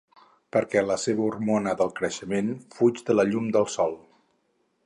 Perquè la seva hormona del creixement fuig de la llum del sol.